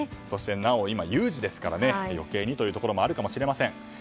そして、なお今有事ですから余計にというところもあるかもしれません。